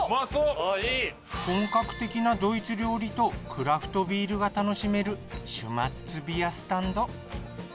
本格的なドイツ料理とクラフトビールが楽しめるシュマッツ・ビア・スタンド。